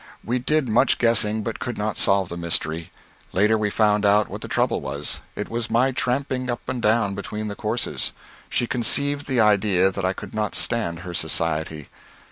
We did much guessing, but could not solve the mystery. Later we found out what the trouble was. It was my tramping up and down between the courses. She conceived the idea that I could not stand her society.